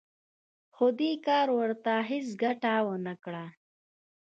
خو دې کار ورته هېڅ ګټه ونه کړه